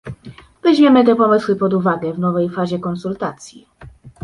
Weźmiemy te pomysły pod uwagę w nowej fazie konsultacji